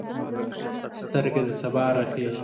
سترګه د سبا راخیژي